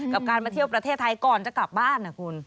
กับการมาเที่ยวประเทศไทยก่อนจะกลับบ้านนะคุณ